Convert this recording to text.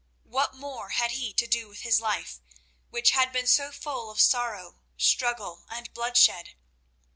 What more had he to do with his life, which had been so full of sorrow, struggle and bloodshed?